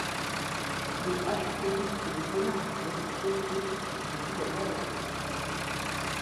Des haches polies et des poignards en silex de qualité sont également retrouvés.